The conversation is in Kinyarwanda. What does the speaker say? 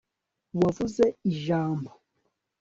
wavuze ijambo